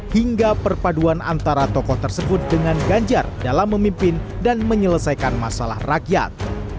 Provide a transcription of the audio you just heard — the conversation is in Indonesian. hingga perpaduan antara tokoh tersebut dengan ganjar dalam memimpin dan menyelesaikan masalah rakyat